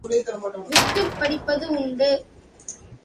விட்டுப் பிடிப்பதும் உண்டு.